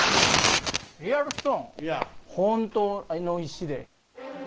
リアルストーン、本当の石で。